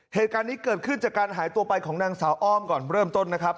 เหตุการณ์นี้เกิดขึ้นจากการหายตัวไปของนางสาวอ้อมก่อนเริ่มต้นนะครับ